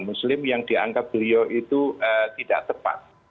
muslim yang dianggap beliau itu tidak tepat